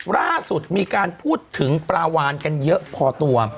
ล่าสุดมีการพูดถึงปลาวานกันเยอะพอตัว